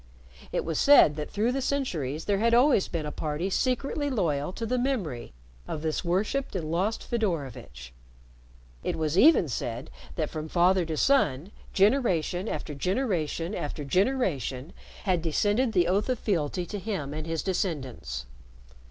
It was said that through the centuries there had always been a party secretly loyal to the memory of this worshiped and lost Fedorovitch. It was even said that from father to son, generation after generation after generation, had descended the oath of fealty to him and his descendants.